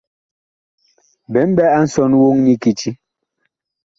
Bi mɓɛ a nsɔn woŋ nyi kiti.